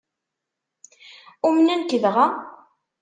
Umnen-k dɣa?